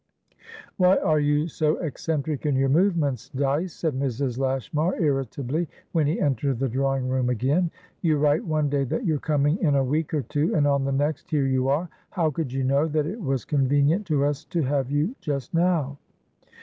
"Why are you so eccentric in your movements, Dyce?" said Mrs. Lashmar, irritably, when he entered the drawing room again. "You write one day that you're coming in a week or two, and on the next here you are. How could you know that it was convenient to us to have you just now?"